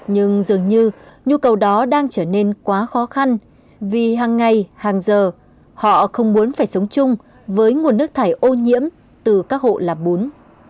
nhưng dường như nhu cầu đó đang trở nên quá khó khăn vì hàng ngày hàng giờ họ không muốn phải sống chung với nguồn nước thải ô nhiễm từ các hộ làm bún